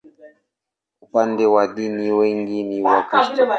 Upande wa dini, wengi ni Wakristo.